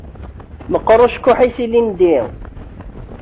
Meqqeṛ ucekkuḥ-is ilindi.